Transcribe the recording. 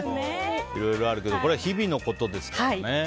いろいろあるけどこれは日々のことですからね。